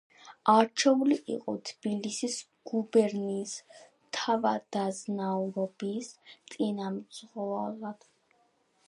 არჩეული იყო თბილისის გუბერნიის თავადაზნაურობის წინამძღოლად.